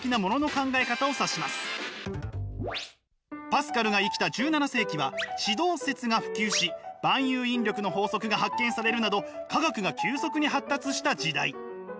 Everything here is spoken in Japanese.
パスカルが生きた１７世紀は地動説が普及し万有引力の法則が発見されるなど科学が急速に発達した時代。